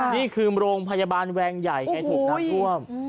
นี่คือโรงพยาบาลแวงใหญ่ไงถูกน้ำท่วม